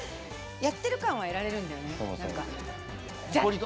やってる感は得られるんだよね。